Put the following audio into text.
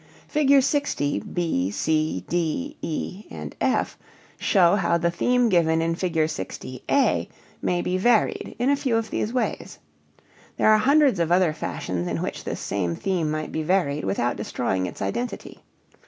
Fig. 60 b, c, d, e, and f show how the theme given in Fig. 60 (a) may be varied in a few of these ways. There are hundreds of other fashions in which this same theme might be varied without destroying its identity.